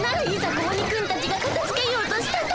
子鬼くんたちがかたづけようとした時。